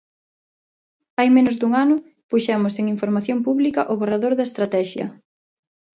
Hai menos dun ano puxemos en información pública o borrador da estratexia.